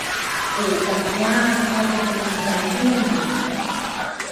ปู่กับย่าคอยเป็นกำลังใจให้เสมอ